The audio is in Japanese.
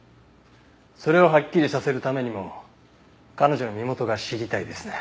それをはっきりさせるためにも彼女の身元が知りたいですね。